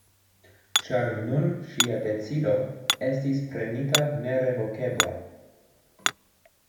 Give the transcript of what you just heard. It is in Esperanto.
Ĉar nun ŝia decido estis prenita nerevokeble.